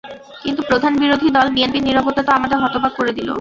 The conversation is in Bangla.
কিন্তু প্রধান বিরোধী দল বিএনপির নীরবতা তো আমাদের হতবাক করে দিল।